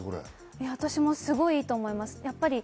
私もすごくいいと思います。